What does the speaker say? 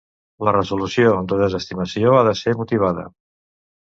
La resolució de desestimació ha de ser motivada.